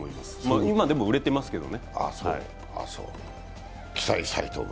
今でも売れてますけどね。